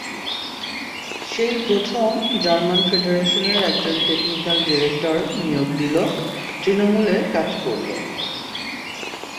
সেই প্রথম German federation একজন টেকনিক্যাল ডিরেক্টর নিয়োগ দিল, তৃণমূলে কাজ করল।